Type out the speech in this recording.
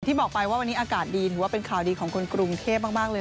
บอกไปว่าวันนี้อากาศดีถือว่าเป็นข่าวดีของคนกรุงเทพมากเลย